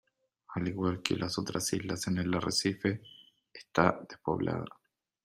Al igual que las otras islas en el arrecife, esta despoblada.